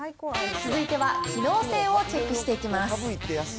続いては機能性をチェックしていきます。